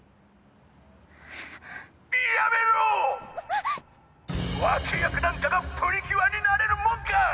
「やめろ！」「脇役なんかがプリキュアになれるもんか！」